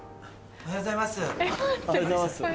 おはようございます。